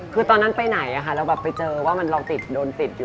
คือตอนนั้นไปไหนเราแบบไปเจอว่ามันลองติดโดนติดอยู่